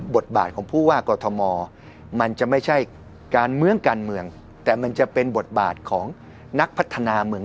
บทบาทของผู้ว่ากอทมมันจะไม่ใช่การเมืองการเมืองแต่มันจะเป็นบทบาทของนักพัฒนาเมือง